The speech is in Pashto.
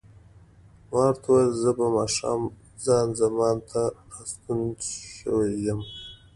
ما ورته وویل: زه په ماښام کې خان زمان ته راستون شوی یم.